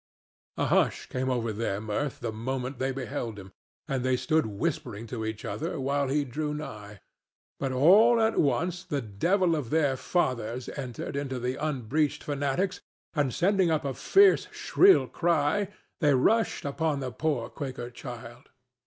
A hush came over their mirth the moment they beheld him, and they stood whispering to each other while he drew nigh; but all at once the devil of their fathers entered into the unbreeched fanatics, and, sending up a fierce, shrill cry, they rushed upon the poor Quaker child.